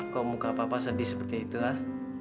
kok muka papa sedih gitu seperti itu dah